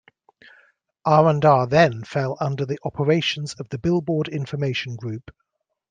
R and R then fell under the operations of the Billboard Information Group.